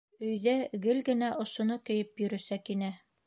Өйҙә гел генә ошоно кейеп йөрө, Сәкинә.